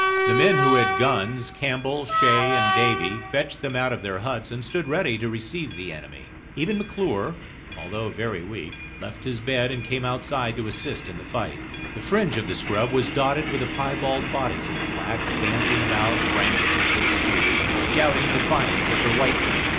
The men who had guns Campbell, Shay, and Davy fetched them out of their huts and stood ready to receive the enemy; even McClure, although very weak, left his bed and came outside to assist in the fight. The fringe of the scrub was dotted with the piebald bodies of the blacks, dancing about, brandishing their spears, and shouting defiance at the white men.